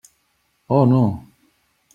Oh, no!